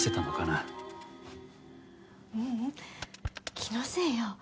気のせいよ。